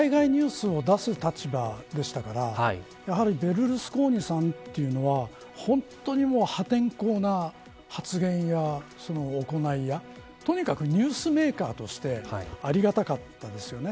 僕は海外ニュースを出す立場でしたからやはりベルルスコーニさんというのは本当に破天荒な発言や行いやとにかくニュースメーカーとしてありがたかったですよね。